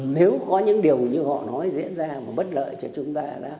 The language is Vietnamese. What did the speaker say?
nếu có những điều như họ nói diễn ra mà bất lợi cho chúng ta